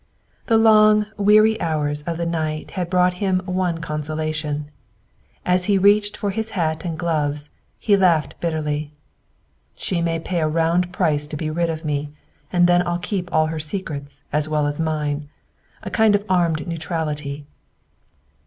The long, weary hours of the night had brought him one consolation. As he reached for his hat and gloves, he laughed bitterly. "She may pay a round price to be rid of me, and then I'll keep all her secrets as well as mine! A kind of armed neutrality!"